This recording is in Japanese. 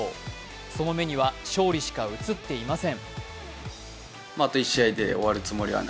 その目には勝利しか映っていません。